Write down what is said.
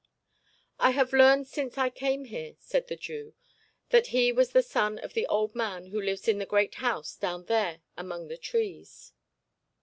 'I have learned since I came here,' said the Jew, 'that he was the son of the old man who lives in the great house down there among the trees.'